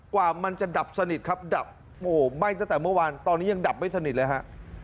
กว่ามันจะดับสนิทครับดับโอ้โหไหม้ตั้งแต่เมื่อวานตอนนี้ยังดับไม่สนิทเลยฮะ